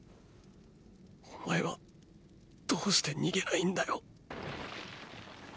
お前はどうして逃げないんだよ。